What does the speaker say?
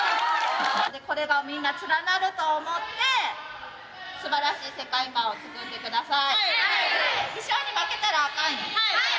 これがみんな連なると思って素晴らしい世界観を作ってください。